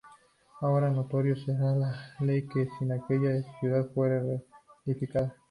Ahora, notorio sea al rey, que si aquella ciudad fuere reedificada.